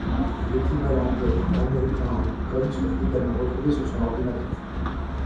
L'équivalent de américains en bitcoins furent également retrouvés sur son ordinateur.